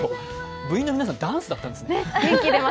部員の皆さん、ダンスだったんですね。